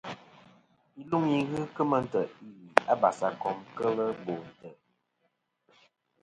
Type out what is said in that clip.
Iluŋ i ghɨ kemɨ ntè' ili a basakom kel bo ntè'.